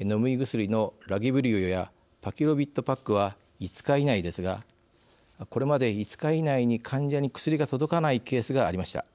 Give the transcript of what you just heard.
飲み薬のラゲブリオやパキロビッドパックは５日以内ですがこれまで５日以内に患者に薬が届かないケースがありました。